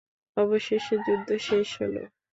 অবশেষে যুদ্ধ শেষ হলো।